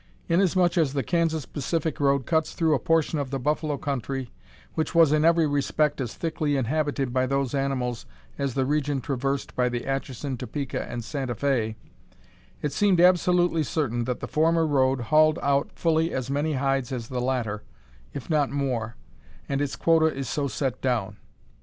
Inasmuch as the Kansas Pacific road cuts through a portion of the buffalo country which was in every respect as thickly inhabited by those animals as the region traversed by the Atchison, Topeka and Santa Fé, it seemed absolutely certain that the former road hauled out fully as many hides as the latter, if not more, and its quota is so set down.